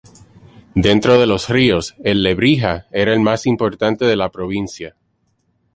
Dentro de los ríos, el Lebrija era el más importante de la provincia.